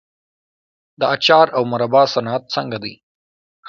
د اچار او مربا صنعت څنګه دی؟